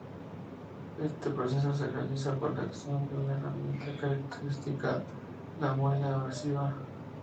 Este proceso se realiza por la acción de una herramienta característica, la muela abrasiva.